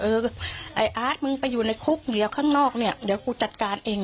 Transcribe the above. ไอ้อาร์ตมึงไปอยู่ในคุกเดี๋ยวข้างนอกเนี่ยเดี๋ยวกูจัดการเอง